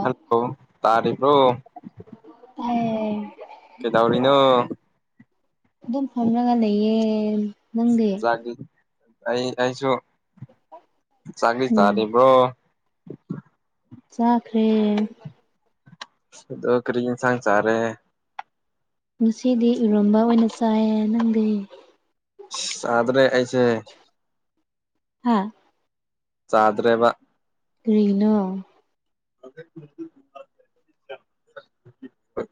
hello ꯇꯥꯔꯤꯕꯔꯣ ꯇꯥꯏꯌꯦ ꯀꯩꯗꯧꯔꯤꯅꯣ ꯑꯗꯨꯝ ꯐꯝꯔꯒ ꯂꯩꯌꯦ ꯅꯪꯗꯤ ꯆꯥꯛꯂꯤ ꯑꯩ ꯑꯩꯁꯨ ꯆꯥꯛꯂꯤ ꯑꯣ ꯇꯥꯔꯤꯕ꯭ꯔꯣ ꯆꯥꯈ꯭ꯔꯦ ꯗꯣ ꯀꯔꯤ ꯌꯦꯟꯁꯥꯡ ꯆꯥꯔꯦ ꯉꯁꯤꯗꯤ ꯏꯔꯣꯟꯕ ꯑꯣꯏꯅ ꯆꯥꯏꯌꯦ ꯅꯪꯗꯤ ꯆꯥꯗ꯭ꯔꯦ ꯑꯩꯁꯦ ꯍꯥꯥ ꯆꯥꯗ꯭ꯔꯦꯕ ꯀꯔꯤꯅꯣ [unintelligible]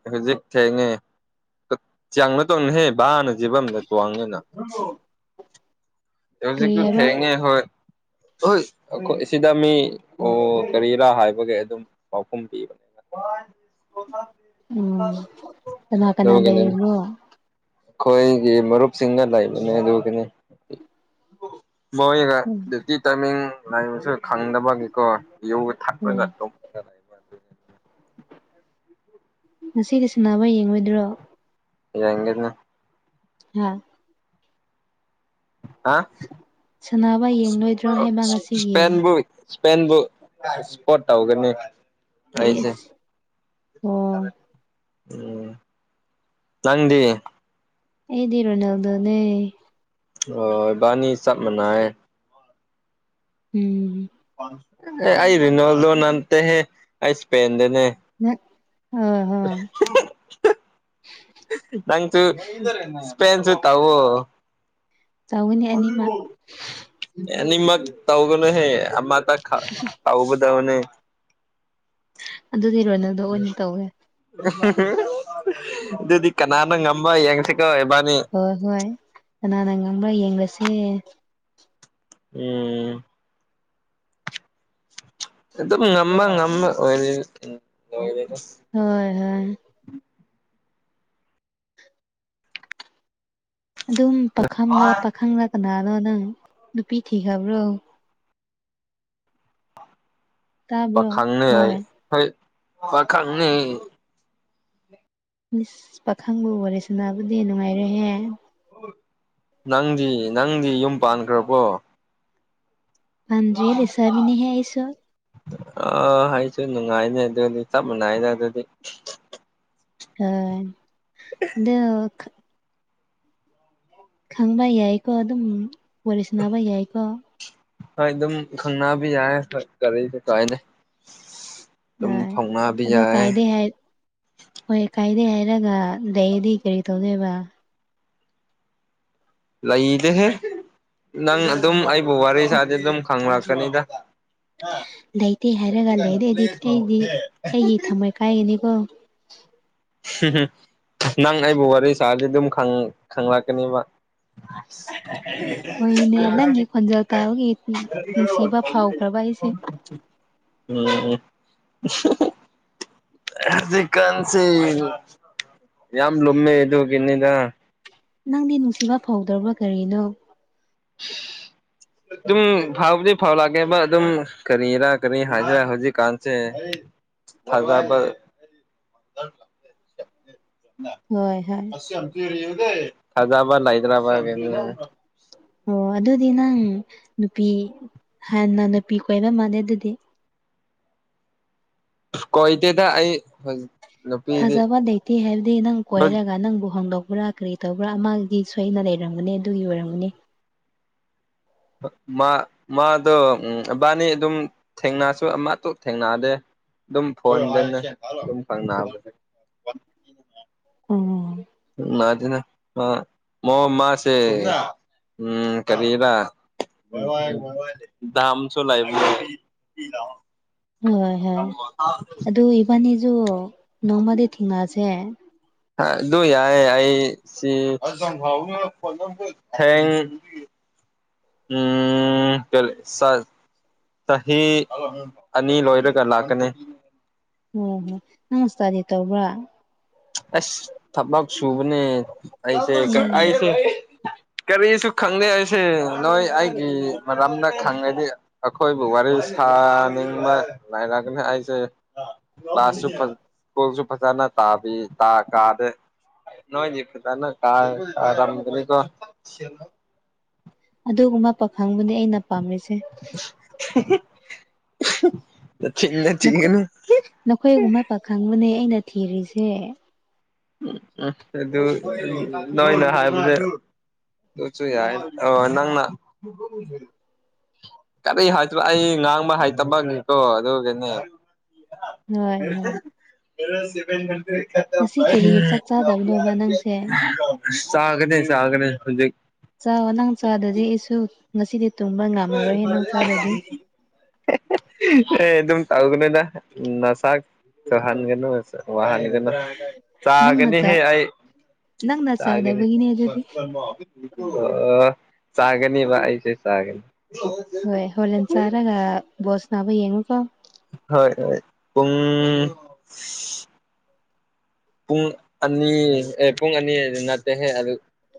ꯍꯧꯖꯤꯛ ꯊꯦꯡꯉꯦ ꯆꯥꯡꯅ ꯇꯧꯅꯍꯦ ꯚꯥꯅ ꯖꯤꯕꯗ ꯇ꯭ꯋꯥꯡꯉꯅ ꯑꯦꯖꯤꯛ ꯀꯔꯤ ꯀ ꯍꯥꯏꯕ꯭ꯔꯥ ꯊꯩ ꯅ ꯍꯣꯏ ꯑꯣꯏ ꯑꯩꯈꯣꯏ ꯁꯤꯗ ꯃꯤ ꯑꯣ ꯀꯔꯤꯔꯥ ꯍꯥꯏꯕꯒ ꯑꯗꯨꯝ ꯄꯥꯎꯈꯨꯝ ꯄꯤꯕꯅꯦ ꯎꯝ ꯀꯅꯥ ꯌ ꯀꯅꯥ ꯀꯅꯦ ꯂꯩꯔꯤꯕ꯭ꯔꯣ ꯑꯩꯈꯣꯏꯒꯤ ꯃꯔꯨꯞꯁꯤꯡꯅ ꯂꯩꯥꯛꯏꯕꯅꯦ ꯑꯗꯨꯅꯤ ꯕꯣꯔꯣꯏꯒ ꯎꯝ ꯗꯌꯨꯇꯤ ꯇꯥꯏꯃꯤꯡ ꯂꯩꯕꯁꯨ ꯈꯪꯗꯕꯒꯤꯀꯣ ꯌꯨꯒ ꯎꯝ ꯊꯠꯄꯒ ꯉꯁꯤꯗꯤ ꯁꯅꯕ ꯌꯦꯡꯉꯣꯏꯗ꯭ꯔꯣ ꯅ ꯍꯥꯝ ꯑ ꯁꯥꯟꯅꯕ ꯌꯦꯡꯂꯣꯏꯗ꯭ꯔꯣ ꯍꯥꯏꯕ ꯉꯁꯤꯒꯤ ꯁꯄꯦꯟꯕꯨ ꯁꯄꯕꯨ ꯁꯄꯣꯎꯒꯅꯤ ꯇꯥꯏꯁꯦ ꯏꯁ ꯑꯣ ꯑꯣ ꯅꯪꯗꯤ ꯑꯦꯗꯤ ꯔꯣꯅꯦꯜꯗꯣꯅꯦ ꯍ ꯏꯕꯥꯅꯤ ꯆꯞ ꯃꯥꯟꯅꯩ ꯎꯝ ꯑꯩ ꯔꯔꯤꯅꯥꯣꯜꯗꯣ ꯅꯥꯟꯇꯦ ꯍꯦ ꯑꯩ ꯏꯁꯄꯦꯟꯟꯗꯅꯦ ꯉ [unintelligible] ꯅꯪꯁꯨ ꯁꯄꯦꯟ ꯆꯠꯇ ꯇꯧꯒꯅꯤ ꯑꯅꯤꯃꯛ ꯅꯤ ꯃ ꯇꯥꯎꯒꯅꯣ ꯍꯦꯃ ꯊꯥꯎꯕꯗꯅꯦ ꯑꯗꯨꯗꯤꯔꯣꯏꯅꯗꯣ ꯑꯣꯏꯅ ꯇꯧꯋꯦ ꯑꯗꯨꯗꯤ ꯀꯅꯥꯅꯣ ꯉꯃ ꯌꯦꯡ ꯍꯣꯏ ꯍꯣꯏ ꯀꯅꯥꯅ ꯉꯪꯕ꯭ꯔꯥ ꯌꯦꯡꯕꯁꯦ ꯎꯝ ꯑꯗꯨꯝ ꯉꯃ ꯉꯃ ꯑꯣꯏ ꯍꯣꯏ ꯍꯣꯏ ꯑꯗꯨꯝ ꯄꯥꯈꯪꯥ ꯄꯥꯈꯪꯅꯥ ꯀꯅꯥꯅꯣ ꯅꯪ ꯅꯨꯄꯤ ꯊꯤꯈꯕ꯭ꯔꯣ ꯄ ꯇꯥꯕ꯭ꯔꯣ ꯈꯪꯅ ꯍꯣꯏ ꯍꯥꯏꯣꯏ ꯄ ꯈꯪꯅꯤ ꯃꯤꯁ ꯄꯥꯈꯪꯕ ꯋꯥꯔꯤꯔꯦꯁꯤꯅꯥꯕꯨꯗꯤ ꯅꯨꯡꯉꯥꯏꯔꯍꯦ ꯅꯪꯗꯤ ꯅꯪꯗꯤ ꯌꯨꯝ ꯄꯥꯟꯈ꯭ꯔꯕꯣ ꯄꯥꯟꯖꯌꯦ ꯗꯦꯁꯥ ꯃꯤꯅꯤꯍꯦ ꯍꯥꯏꯁ ꯑꯥ ꯑꯩꯁꯨ ꯅꯨꯡꯉꯥꯏꯅꯦ ꯑꯗꯨꯗꯤ ꯆꯞ ꯃꯥꯟꯅꯩꯗ ꯑꯗꯨꯗꯤ ꯍ ꯑꯗ ꯈꯪꯕ ꯌꯥꯏꯀꯣ ꯑꯗꯨꯝ ꯋꯥꯔꯤ ꯁꯥꯟꯕ ꯌꯥꯏꯀꯣ ꯍꯣꯏ ꯑꯗꯨꯝ ꯈꯪꯕꯤ ꯌꯥꯏ ꯍꯣꯏ ꯀꯔꯤꯁꯨꯦ ꯀꯥꯏꯅꯦ ꯍꯣꯏ ꯑꯗꯣ ꯀꯥꯏꯗꯦ ꯍꯥꯏ ꯍꯣꯏ ꯀꯥꯏꯗꯦ ꯍꯥꯏꯔꯒ ꯂꯩꯗꯤ ꯀꯔꯤ ꯇꯧꯗꯣꯏꯕ ꯂꯩꯗꯦꯍꯦ ꯅꯪ ꯑꯗꯨꯝ ꯑꯩꯕꯨ ꯋꯥꯔꯤ ꯁꯥꯗꯤ ꯑꯗꯨꯝ ꯈꯪꯂꯛꯀꯅꯤꯗ ꯂꯩꯇꯦ ꯍꯥꯏꯔꯒ ꯂꯩꯔꯦ ꯑꯗꯨꯗꯤ ꯑꯩꯗꯤ ꯑꯩꯒꯤ ꯊꯝꯃꯣꯏ ꯀꯥꯏꯒꯅꯤꯀꯣ ꯅꯪ ꯑꯩꯕꯨ ꯋꯥꯔꯤ ꯁꯥꯔꯗꯤ ꯑꯗꯨꯝ ꯈꯪꯂꯛꯀꯅꯤꯕ [unintelligible] ꯍꯣꯏꯅꯦ ꯅꯪꯒꯤ ꯈꯣꯟꯖꯦꯜ ꯇꯥꯕꯒꯤ ꯅꯨꯡꯁꯤꯕ ꯐꯥꯎꯈ꯭ꯔꯕ ꯑꯩꯁꯦ ꯎꯝ ꯆꯤ ꯀꯟꯁꯤ ꯌꯥꯝ ꯌꯥꯝ ꯂꯣꯃꯦꯦ ꯏ ꯀꯅꯤꯗ ꯅꯪꯗꯤ ꯅꯨꯡꯁꯤꯕ ꯐꯧꯗ꯭ꯔꯕ ꯀꯔꯤꯅꯣ [unintelligible] ꯑꯗꯨꯝ ꯐꯥꯎꯕꯗꯤ ꯐꯥꯎ ꯂꯥꯛꯀꯦꯕ ꯑꯗꯨꯝ ꯀꯔꯤꯔꯥ ꯀꯔꯤ ꯍꯥꯏꯁꯤꯔꯥ ꯍꯧꯖꯤꯛꯀꯥꯟꯁꯦ ꯊꯒꯥ ꯍꯣꯏ ꯍꯣꯏ ꯐꯖꯕꯥ ꯍꯗ꯭ꯔꯕꯥꯗ ꯑꯣ ꯑꯗꯨꯗꯤ ꯅꯪ ꯅꯨꯄꯤ ꯍꯥꯟꯅ ꯅꯨꯄꯤ ꯀꯣꯏꯕ ꯃꯥꯜꯂꯦ ꯑꯗꯨꯗꯤ ꯀꯣꯣꯏꯇꯦꯗ ꯑꯩ ꯍꯧꯖꯤ ꯊꯥꯖꯕ ꯂꯩꯇꯦ ꯍꯥꯏꯕꯗꯤ ꯅꯪ ꯀꯣꯏꯔꯒ ꯅꯪꯕꯨ ꯍꯣꯡꯗꯣꯛꯄ ꯀꯔꯤ ꯇꯧꯕ꯭ꯔꯥ ꯑꯃꯒꯤ ꯁꯣꯏ ꯑꯩꯅ ꯂꯩꯔꯝꯒꯅꯤ ꯑꯗꯨꯒꯤ ꯑꯣꯏꯔꯝꯒꯅꯤ ꯃꯥ ꯃꯥꯗꯣ ꯏꯕꯥꯅꯤ ꯑꯗꯨꯝ ꯊꯦꯡꯅꯁꯨ ꯑꯃꯇꯣꯛ ꯊꯦꯡꯅꯑꯗꯦ ꯑꯗꯨꯝ ꯐꯣꯟꯗꯅ ꯑꯗꯨꯝ ꯐꯪꯅꯕ ꯎ ꯅꯥꯗꯤꯅ ꯃ ꯃꯥꯁꯦ ꯎꯝ ꯀꯔꯤꯔ ꯝꯁꯨꯣ ꯂꯥꯏꯕ ꯍꯣꯏ ꯍꯣꯏ ꯑꯗꯨ ꯏꯕꯥꯅꯤꯁꯨ ꯅꯣꯡꯃꯗꯤ ꯊꯤꯡꯉꯛꯁꯦ ꯑꯗꯨ ꯌꯥꯌꯦ ꯑꯩ ꯁꯤ ꯊ ꯎꯝ ꯆꯂꯦ ꯆꯍꯤ ꯑꯅꯤ ꯂꯣꯏꯔꯒ ꯂꯥꯛꯀꯅꯤ ꯑꯣ ꯍꯣ ꯅꯪ ꯏꯁꯇꯗꯤ ꯇꯧꯕ꯭ꯔꯥ ꯑꯁ ꯊ ꯁꯨꯕꯅꯦ ꯑꯦ ꯑꯁꯦꯁꯨ ꯀꯔꯤꯁꯨ ꯈꯪꯗꯦ ꯑꯩꯁꯦ ꯅꯣꯏ ꯑꯩꯒꯤ ꯃꯔꯝꯗ ꯈꯪꯉꯗꯤ ꯑꯩꯈꯣꯏ ꯋꯥꯔꯤꯔꯤ ꯁꯥꯅꯤꯡꯕ ꯂꯥꯏꯔꯒꯅꯤ ꯍꯥꯏꯁꯦ ꯀ꯭ꯂꯥꯁꯁꯨ ꯐ ꯁ꯭ꯀꯨꯜꯁꯨ ꯐꯖꯅ ꯇꯥꯕꯤ ꯇꯥ ꯀꯥꯗꯦ ꯅꯣꯏꯗꯅ ꯀꯥ ꯀꯥꯔꯝꯒꯅꯤ ꯀꯣ ꯑꯗꯨꯒꯨꯝꯕ ꯄꯥꯈꯪꯕꯨꯅꯦ ꯑꯩꯅ ꯄꯥꯝꯂꯤꯁꯦ ꯆꯤꯡꯅ ꯅꯈꯣꯏ ꯆꯤꯡꯒꯅ ꯅꯈꯣꯏꯒꯨꯝꯕ ꯄꯥꯈꯪꯕꯅꯦ ꯑꯩꯅ ꯊꯤꯔꯤꯁꯦ ꯑꯗꯨ ꯂꯣꯏ ꯂ ꯍꯥꯏ ꯁꯨ ꯌꯥꯏ ꯑ ꯅꯪꯅ ꯀꯔꯤ ꯍꯥꯏꯗꯣ ꯑꯩ ꯉꯥꯡꯕ ꯍꯥꯏꯇꯕꯒꯦꯀꯣ ꯑꯗꯨꯒꯒꯤꯅꯦ ꯍꯣꯏ ꯃ ꯍꯣꯏ ꯁꯤꯃ ꯃꯔꯤ ꯉꯁꯤ ꯀꯔꯤ ꯆꯥꯛ ꯆꯥꯗꯕꯅꯣꯕ ꯅꯪꯁꯦ ꯆꯥꯒꯅꯦ ꯆꯥꯒꯅꯦ ꯍꯧ ꯆꯥꯛ ꯅꯪ ꯆꯥꯗꯗꯤ ꯑꯩꯁꯨ ꯉꯁꯤꯗꯤ ꯇꯨꯡꯕ ꯉꯝꯃꯔꯣꯏꯍꯦ ꯅꯪ ꯆꯥꯗꯤ ꯎꯝ ꯑꯦ ꯑꯗꯨꯝ ꯇꯧꯒꯅꯤꯨꯗ ꯅꯁꯥꯛ ꯆꯍꯟꯒꯅꯨ ꯋꯥꯟ ꯅ ꯅꯪꯅ ꯆꯥ ꯆꯥꯒꯅꯤꯍꯦ ꯑꯩ ꯅꯪꯅ ꯁꯥꯒꯦꯅꯦꯁ ꯆꯥꯗꯕꯒꯤꯅꯦ ꯑꯗꯨꯗꯤ ꯑꯣ ꯆꯒꯅꯤ ꯏꯁ ꯆꯒꯅꯤ ꯍꯣꯏ ꯍꯣꯔꯂꯦꯟ ꯆꯥꯔꯒ ꯕꯣꯁ ꯅꯥꯕ ꯌꯦꯡꯉꯨꯀꯣ ꯍꯣꯏ ꯍꯣꯏ ꯄꯨꯡ ꯄꯨꯡ ꯑꯅꯤ ꯑꯦ ꯄꯨꯡ ꯑꯅꯤ ꯑꯗꯨ ꯑꯗꯨ ꯅꯠꯇꯦꯍꯦ ꯑꯗꯨ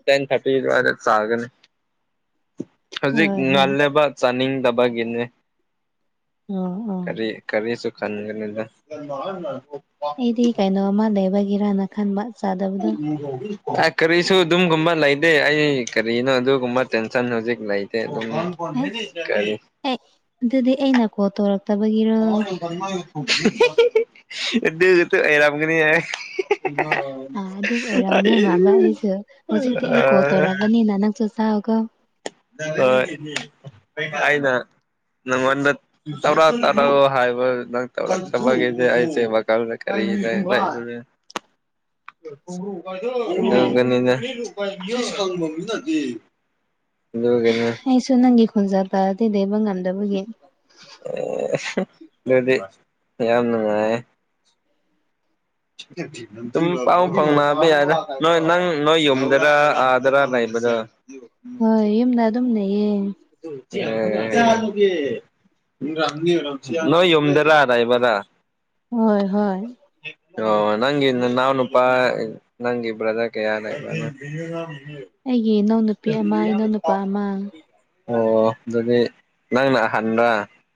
ꯇꯦꯟ ꯊꯔꯇꯤ ꯋꯥꯦ ꯆꯥꯒꯦꯅꯦ [unintelligible] ꯍꯧꯖꯤꯛ ꯍꯣꯏ ꯉꯜꯂꯦꯕ ꯆꯥꯅꯤꯡꯗꯕꯒꯤꯅꯦ ꯑꯣ ꯑꯣ ꯀꯔꯤ ꯀꯔꯤꯁꯨꯨ ꯈꯅꯤꯒꯅꯤꯗ ꯑꯩꯗꯤ ꯀꯩꯅꯣꯝ ꯑꯃ ꯂꯩꯕꯒꯤꯔꯅ ꯈꯟꯕ ꯆꯥꯗꯕꯗꯣ ꯍꯗꯤ ꯀꯔꯤꯁꯨ ꯑꯗꯨꯝꯒꯨꯝꯕ ꯂꯩꯇꯦ ꯑꯩ ꯀꯔꯤꯅꯣ ꯑꯗꯨꯒꯨꯝꯕ ꯇꯦꯟꯁꯟ ꯍꯧꯖꯤꯛ ꯂꯩꯇꯦ ꯑꯗꯨꯝ ꯍ ꯑꯦ ꯑꯗꯨꯗꯤ ꯑꯩꯅ ꯀꯣꯜ ꯇꯧꯔꯛꯇꯕꯒꯤꯔꯣ ꯁꯨ ꯑꯦꯔꯝꯒꯅꯤ ꯌꯥ ꯑꯥ ꯑꯗꯨ ꯑꯣꯏꯔꯝꯗꯣꯏ ꯃꯥꯟꯕ ꯑꯩꯁꯨ ꯍꯧꯖꯤꯛꯇꯤ ꯑꯩ ꯀꯣꯜ ꯑ ꯇꯧꯔꯛꯄꯅꯤꯅ ꯅꯪꯁꯨ ꯆꯥꯎꯀꯣ ꯑꯩꯅ ꯅꯪꯉꯣꯟꯗ ꯇꯧꯔ ꯑꯣ ꯍꯥꯏꯕ ꯅ ꯆꯒꯤꯁꯦ ꯑꯩꯁꯦ ꯋꯥꯜꯗ ꯀꯔꯤ [inaudible] ꯍꯣꯏ ꯒꯅꯤꯅꯦ ꯑꯩꯁꯨ ꯅꯪꯒꯤ ꯈꯨꯟꯖꯥ ꯇꯥꯔꯗꯤ ꯂꯩꯦꯕ ꯉꯝꯗꯕꯒꯤ ꯑꯦ ꯑꯗꯨꯗꯤ ꯌꯥꯝ ꯅꯨꯡꯉꯥꯏꯌꯦ ꯎꯝ ꯑꯗꯨꯝ ꯄꯥꯎ ꯐꯥꯎꯅꯕ ꯌꯥꯗ꯭ꯔꯥ ꯅꯣꯏ ꯅꯪ ꯅꯣꯏ ꯌꯨꯝꯗꯔ ꯑꯥꯗꯔꯥ ꯂꯩꯕ꯭ꯔꯥ ꯌ [unintelligible] ꯍꯣꯏ ꯌꯨꯝꯗ ꯑꯗꯨꯝꯅꯦꯌꯦ ꯑꯗꯨꯨꯒꯤ ꯌꯗꯦ ꯌꯨꯝꯗꯔ ꯂꯥꯏꯔꯕꯔ ꯍꯣꯏ ꯍꯣꯏ ꯑꯣ ꯅꯪ ꯏ ꯅꯅꯥꯅꯄꯥ ꯅꯪ ꯏꯕ꯭ꯔꯗ ꯀ ꯌꯥꯅ ꯏꯕ ꯑꯩꯦ ꯅꯣ [unintelligible] ꯑꯣ ꯑꯗꯨꯗꯤ ꯅꯪꯅ ꯍꯥꯏꯅꯗ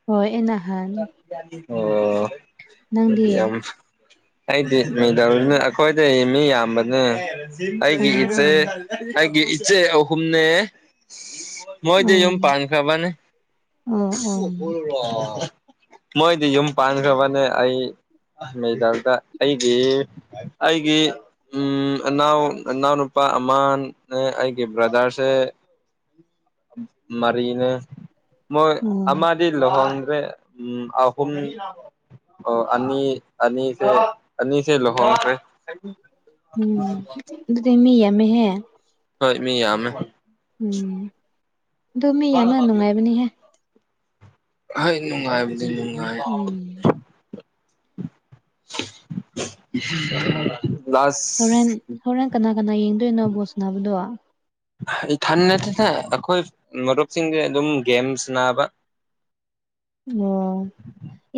ꯍꯣꯏ ꯑꯅꯍꯥꯟ ꯑꯣ ꯌꯥꯝ ꯑꯩꯗꯤꯗꯧꯅꯦ ꯑꯩꯈꯣꯏꯗ ꯃꯤ ꯌꯥꯝꯕꯅꯦ ꯑꯩꯒꯤ ꯑꯣ ꯏꯆꯦ ꯑꯣ ꯑꯩꯒꯤ ꯏꯆꯦ ꯑꯍꯨꯝꯅꯦ ꯃꯣꯏꯗꯤ ꯌꯣꯟ ꯎꯝ ꯄꯥꯥꯟ ꯈꯕꯅꯦ ꯑꯣ ꯑꯣ ꯃꯣꯏꯗꯤ ꯌꯨꯝ ꯄꯥꯟꯈ꯭ꯔꯕꯅꯦ ꯑꯩ ꯑꯃꯩꯜꯗ ꯑꯩꯒꯤ ꯑꯩꯒꯤ ꯎꯝ ꯅꯅꯥꯎ ꯅꯅꯥꯎꯅ ꯅꯨꯄꯥ ꯑꯃꯅꯦ ꯑꯩꯒꯤ ꯕ꯭ꯔꯗꯔꯁꯦ ꯃꯔꯤꯅꯦ ꯃꯣꯏ ꯑꯣ ꯑꯗꯤ ꯂꯍꯣꯡ꯭ꯔꯦ ꯎꯝ ꯑꯍꯨꯝ ꯑꯣ ꯑꯅꯤ ꯑꯅꯤꯁꯦ ꯑꯅꯤꯁꯦ ꯂꯨꯍꯣꯡꯉꯈ꯭ꯔꯦ ꯎꯝ ꯑꯗꯨꯗꯤ ꯃꯤ ꯌꯥꯝꯃꯦꯍꯦ ꯍꯣꯏ ꯃꯤ ꯌꯥꯝꯃꯦ ꯎꯝ ꯑꯗꯨ ꯃꯤ ꯌꯥꯝꯅ ꯅꯨꯡꯉꯥꯏꯕꯅꯤꯍꯦ ꯍ ꯂꯅꯨꯡ ꯎꯝ ꯂ [unintelligible] [unintelligible] ꯍꯣꯔꯦꯟ ꯍꯣꯔꯦꯟ ꯀꯅꯥ ꯀꯅꯥ ꯌꯦꯡꯗꯣꯏꯅꯣ ꯕꯣꯜ ꯁꯅꯥꯕꯗꯣ ꯏꯊꯟ ꯅꯠꯇꯦꯗ ꯑꯩꯈꯣꯏ ꯃꯔꯨꯞꯁꯤꯡꯒ ꯑꯗꯨꯝ ꯒꯦꯝ ꯁꯥꯅꯥꯕ ꯑꯣ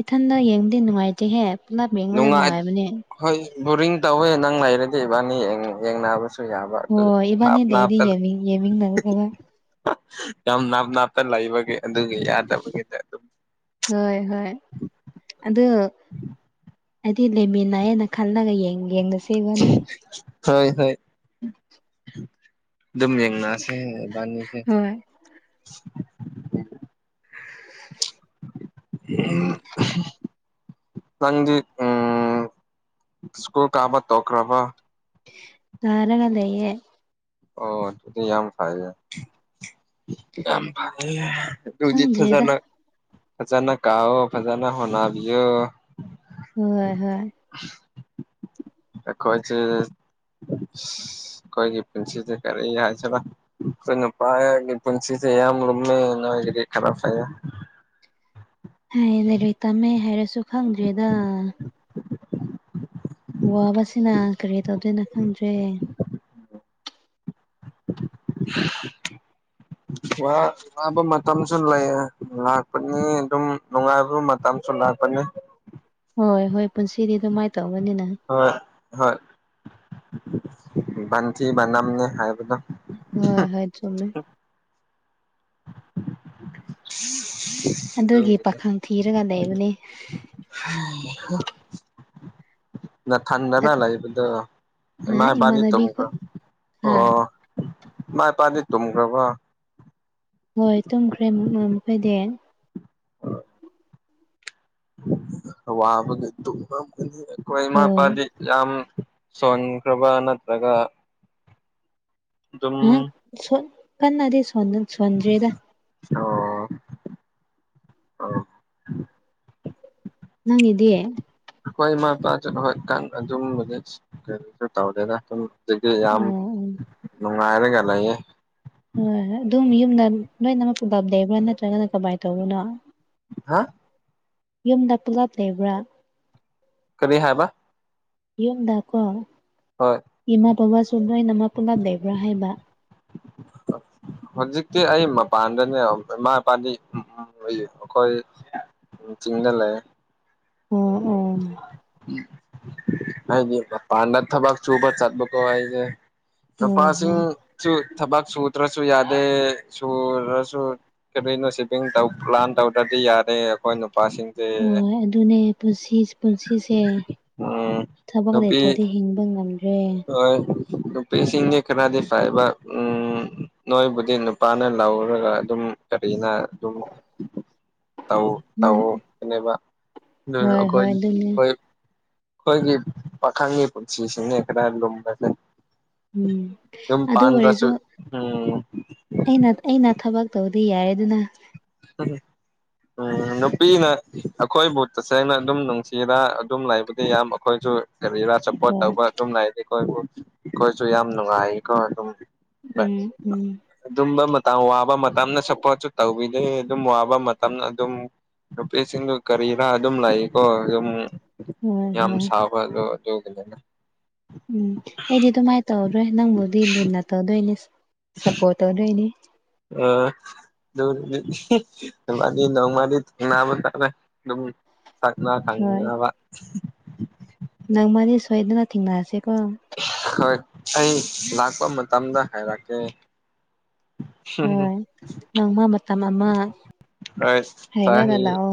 ꯏꯊꯟꯗ ꯌꯦꯡꯕꯗꯤ ꯅꯨꯡꯉꯥꯏꯇꯦꯍꯦ ꯄꯨꯂꯞ ꯌꯦꯡꯕꯅ ꯅꯨꯡꯉꯥꯏ ꯅꯨꯡꯉꯥꯏꯕꯅꯦ ꯍꯣꯏ ꯕꯣꯔꯤꯡ ꯇꯧꯋꯦ ꯅꯪ ꯂꯩꯔꯗꯤ ꯏꯕꯥꯅꯤ ꯌꯦꯡꯅꯕꯁꯨ ꯌꯥꯕ ꯑꯗꯨ ꯍꯣꯏ ꯏꯕꯥꯅꯤ ꯅꯥꯞ ꯂꯩꯔꯗꯤ ꯅꯥꯞꯀ ꯌꯦꯡꯃꯤꯟꯅꯒꯗꯕ ꯌꯥꯝ ꯅꯥꯞ ꯅꯥꯞꯇ ꯂꯩꯕꯒꯤ ꯑꯗꯨꯒꯤ ꯌꯥꯗꯕꯒꯤꯅꯦ ꯑꯗꯨꯝ ꯍꯣꯏ ꯍꯣꯏ ꯑꯗꯨ ꯍꯥꯏꯗꯤ ꯂꯩꯃꯤꯟꯅꯌꯦꯅ ꯈꯜꯂꯒ ꯌꯦꯡꯅꯁꯤ ꯢꯕꯅꯤ ꯍꯣꯏ ꯍꯣꯏ ꯑꯗꯨꯝ ꯌꯦꯡꯅꯁꯦ ꯢꯕꯥꯅꯤꯗꯤ ꯍꯣꯏ [unintelligible] ꯅꯪꯗꯤ ꯎꯝ ꯁ꯭ꯀꯨꯜ ꯀꯥꯕ ꯇꯣꯛꯈ꯭ꯔꯕ ꯅꯥꯔꯒ ꯂꯩꯌꯦ ꯑꯣ ꯑꯗꯨꯗꯤ ꯌꯥꯝ ꯐꯩꯌꯦ ꯌꯥꯝ ꯐꯩꯌꯦ ꯈꯪꯗ꯭ꯔꯦꯗ ꯐꯖꯅ ꯐꯖꯅ ꯀꯥꯎꯑꯣ ꯐꯖꯅ ꯍꯣꯠꯅꯕꯤꯌꯣ ꯍꯣꯏ ꯍꯣꯏ ꯑꯩꯈꯣꯏꯁꯦ ꯑꯩꯈꯣꯏꯒꯤ ꯄꯨꯟꯁꯤꯁꯦ ꯀꯔꯤ ꯍꯥꯏꯁꯤꯔ ꯑꯩꯈꯣꯏ ꯅꯨꯄꯥꯒꯤ ꯄꯨꯟꯁꯤꯁꯦ ꯌꯥꯝ ꯂꯨꯝꯃꯦ ꯅꯣꯢꯒꯤꯗꯤ ꯈꯥꯔ ꯐꯩꯌꯦ ꯍꯥꯏꯌꯦ ꯂꯩꯔ ꯇꯝꯃꯦ ꯍꯥꯏꯔꯁꯨ ꯈꯪꯗ꯭ꯔꯦꯗ [unintelligible] ꯋꯥꯕꯁꯤꯅ ꯀꯔꯤ ꯇꯧꯗꯣꯏꯅ ꯈꯪꯗ꯭ꯔꯦ ꯋꯥ ꯋꯥꯕ ꯃꯇꯝꯁꯨ ꯂꯩ ꯂꯥꯛꯄꯅꯤ ꯑꯗꯨꯝ ꯅꯨꯡꯉꯥꯏꯕ ꯃꯇꯝꯁꯨ ꯂꯥꯛꯄꯅꯤ ꯍꯣꯏ ꯍꯣꯏ ꯄꯨꯟꯁꯤꯗꯤ ꯑꯗꯨꯃꯥꯏꯅ ꯇꯧꯕꯅꯤꯅ ꯍꯣꯏ ꯍꯣꯏ ꯕꯟꯊꯤ ꯃꯅꯝꯅꯦ ꯍꯥꯏꯕꯗꯣ ꯍꯣꯏ ꯍꯣꯏ ꯆꯨꯝꯃꯤ [unintelligible] ꯑꯗꯨꯒꯤ ꯄꯥꯈꯪ ꯊꯤꯔꯒ ꯂꯩꯕꯅꯤ ꯍꯩ ꯍꯣ ꯅꯊꯟꯗꯔ ꯂꯩꯥꯕꯗꯣ ꯢꯃꯥ ꯏꯄꯥꯗꯤ ꯏꯃꯥꯟꯅꯕꯤ ꯇꯨꯝꯈ꯭ꯔ ꯈꯣꯏ ꯍꯥ ꯑꯣ ꯢꯃꯥ ꯏꯄꯥꯗꯤ ꯇꯨꯝꯒ꯭ꯔꯕ ꯍꯣꯏ ꯇꯨꯝꯈ꯭ꯔꯦ ꯃꯈꯣꯏꯗꯤ ꯋꯥꯕꯒꯤ ꯇꯝꯔꯝꯒꯅꯤ ꯑꯩꯈꯣꯏ ꯏꯃꯥ ꯍꯣꯏ ꯏꯄꯥꯗꯤ ꯌꯥꯝ ꯁꯣꯟꯈ꯭ꯔꯕ ꯅꯠꯇ꯭ꯔꯒ ꯑꯗꯨꯝ ꯍꯥ ꯀꯟꯅꯗꯤ ꯁꯣꯟꯗ꯭ꯔꯤꯗ ꯑꯣ ꯅꯪꯒꯤꯗꯤ ꯑꯈꯣꯏ ꯏꯃꯥ ꯏꯄꯥꯁꯨ ꯍꯣꯏ ꯑꯗꯨꯝ ꯍꯧꯖꯤꯛ ꯀꯩꯅꯣ ꯇꯧꯗꯦꯗ ꯑꯗꯨꯝ ꯑꯗꯨꯒꯤ ꯌꯥꯝ ꯑꯣ ꯑꯣ ꯅꯨꯡꯉꯥꯏꯔꯒ ꯂꯩꯌꯦ ꯍꯣꯏ ꯑꯗꯨꯝ ꯌꯨꯝꯗ ꯂꯣꯏꯅꯃꯛ ꯄꯨꯂꯞ ꯂꯩꯕ꯭ꯔꯥ ꯅꯠꯇ꯭ꯔꯒꯅ ꯀꯃꯥꯏꯅ ꯇꯧꯕꯅꯣ ꯍꯥ ꯌꯨꯝꯗ ꯄꯨꯂꯞ ꯂꯩꯕ꯭ꯔꯥ ꯀꯔꯤ ꯍꯥꯏꯕ ꯌꯨꯝꯗꯀꯣ ꯍꯣꯏ ꯏꯃꯥ ꯕꯥꯕꯥꯁꯨ ꯂꯣꯢꯅꯃꯛ ꯄꯨꯨꯝꯂꯞ ꯂꯩꯕ꯭ꯔꯥ ꯍꯥꯏꯕ ꯍꯧꯖꯤꯛꯇꯤ ꯑꯩ ꯃꯄꯥꯟꯗꯅꯦ ꯏꯃꯥ ꯏꯄꯥꯗꯤ ꯃꯈꯣꯏ ꯆꯤꯡꯗ ꯂꯩꯌꯦ ꯑꯣ ꯑꯣ ꯍꯥꯏ ꯄꯥꯟꯗ ꯊꯕꯒ ꯆꯕ ꯆꯠꯕꯀ ꯍꯥꯏꯏꯁꯦ ꯍꯣꯏ ꯅꯄꯥꯁꯤꯡꯁꯨ ꯊꯕꯛ ꯁꯨꯇ꯭ꯔꯁꯨ ꯌꯥꯗꯦ ꯁ ꯑꯗꯨꯔꯁꯨ ꯀꯔꯤꯅꯣ ꯁꯤꯚꯤꯡꯧ ꯄ꯭ꯂꯥꯟ ꯇꯧꯗ꯭ꯔꯗꯤ ꯌꯥꯔꯦ ꯑꯩꯈꯣꯏ ꯅꯨꯄꯥꯁꯤꯡ ꯍꯣꯏ ꯑꯗꯨꯅꯦ ꯄꯨꯟꯁꯤ ꯄꯨꯟꯁꯤꯁꯦ ꯎꯝ ꯊꯕꯛ ꯅꯨꯄꯤ ꯂꯩꯇ꯭ꯔꯗꯤ ꯍꯤꯡꯕ ꯉꯝꯗ꯭ꯔꯦ ꯍꯣꯏ ꯄꯦꯁꯤꯡꯅꯦ ꯈꯅꯥꯗꯤ ꯐꯥꯏꯕ ꯎꯝ ꯅꯣꯏꯕꯨꯗꯤ ꯅꯨꯄꯥꯅ ꯂꯧꯔꯒ ꯑꯗꯨꯝ ꯀꯔꯤꯅ ꯑꯗꯨꯝ ꯇꯥꯎ ꯇꯎ ꯎꯝ ꯀꯕ ꯍꯣꯏ ꯑꯩꯈꯣꯏ ꯍꯣꯏ ꯑꯗꯨꯅꯦ ꯑꯩꯈꯣꯏ ꯑꯩꯈꯣꯏꯒꯤ ꯄꯥꯈꯪꯒꯤ ꯄꯨꯟꯁꯤꯁꯤꯅꯦ ꯀꯗꯥ ꯂꯨꯝꯕ ꯂꯩ ꯎꯝ ꯑꯗꯨ ꯄꯗ꯭ꯔꯁꯨ ꯎꯝ ꯑꯩꯅ ꯑꯩꯅ ꯊꯕꯛ ꯇꯧꯗꯤ ꯌꯥꯔꯦ ꯑꯗꯨꯅ ꯐꯦ ꯎꯝ ꯅꯨꯄꯤꯅ ꯑꯩꯈꯣꯏꯕꯨ ꯇꯁꯦꯡꯅ ꯑꯗꯨꯝ ꯅꯨꯡꯁꯤꯔ ꯑꯗꯨꯝ ꯂꯩꯕꯗꯤ ꯌꯥꯝ ꯑꯩꯈꯣꯏꯁꯨ ꯀꯔꯤꯔꯥ ꯁꯄꯣꯔꯠ ꯍꯣꯏ ꯇꯧꯕ ꯑꯗꯨꯝ ꯂꯩꯗꯤ ꯑꯩꯈꯣꯏꯕꯨ ꯑꯩꯈꯣꯏꯁꯨ ꯌꯥꯝ ꯅꯨꯡꯉꯥꯏꯀꯣ ꯑꯗꯨꯝ ꯎꯝ ꯎꯝ ꯑꯗꯨꯝꯕ ꯃ ꯃꯇꯝ ꯋꯥꯕ ꯃ ꯃꯇꯝꯅ ꯆꯄ ꯆ ꯇꯧ ꯑ ꯑꯗꯨꯝ ꯋꯥꯕ ꯃꯇꯝꯗ ꯑꯗꯨꯝ ꯅꯨꯄꯤꯁꯤꯡꯗꯨ ꯀꯔꯤꯔꯥ ꯑꯗꯨꯝ ꯂꯥꯛꯏꯀꯣ ꯑꯗꯨꯝ ꯍꯣꯏ ꯌꯥꯝ ꯍꯣꯏ ꯁꯥꯕꯗꯣ ꯑꯗꯨꯒꯤꯅꯤꯅ ꯎꯝ ꯑꯩꯗꯤ ꯑꯗꯨꯃꯥꯏꯅ ꯇꯧꯔꯗ꯭ꯔꯣꯏ ꯅꯪꯕꯨꯗꯤ ꯂꯨꯟꯅ ꯇꯧꯗꯣꯏꯅꯤ ꯁꯞꯄꯣꯔꯠ ꯇꯧꯗꯣꯏꯅꯤ ꯑ ꯃꯥꯅꯤ ꯅꯣꯡꯃꯔꯤ ꯅꯥꯕ ꯇꯔꯦ ꯑꯗꯨꯝꯅꯥ ꯈꯪꯕ ꯅꯪ ꯃꯔꯤ ꯁꯣꯏꯗꯅ ꯊꯦꯡꯅꯔꯁꯤꯦꯀꯣ ꯍꯣꯏ ꯑꯩ ꯂꯥꯛꯄ ꯃꯇꯝꯗ ꯍꯥꯏꯔꯛꯀꯦ ꯍꯣꯏ ꯅꯣꯡꯃ ꯃꯇꯝ ꯑꯃ ꯑꯩ ꯆ ꯍꯥꯏꯔꯒ ꯂꯥꯛꯑꯣ